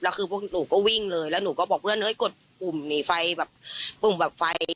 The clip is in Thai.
แล้วคือพวกหนูก็วิ่งเลยแล้วหนูก็บอกเพื่อนเฮ้ยกดปุ่มหนีไฟแบบปุ่มแบบไฟ